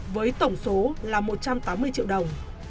với giá một trăm tám mươi triệu đồng